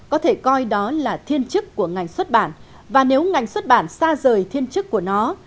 có thể coi đó là thiên chức của ngành xuất bản và nếu ngành xuất bản xa rời thiên chức của nó